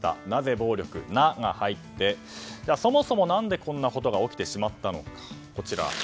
なぜ暴力？の「ナ」が入ってそもそも何でこんなことが起きてしまったのか。